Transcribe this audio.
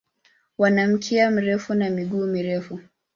Wana mkia mrefu na miguu mirefu.